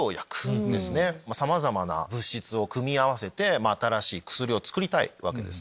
さまざまな物質を組み合わせて新しい薬を作りたいわけですね。